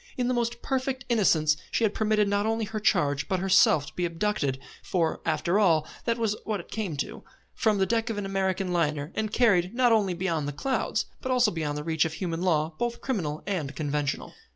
In the most perfect innocence she had permitted not only her charge but herself to be abducted for, after all, that was what it came to from the deck of an American liner, and carried, not only beyond the clouds, but also beyond the reach of human law, both criminal and conventional.